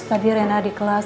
tadi rena dikirim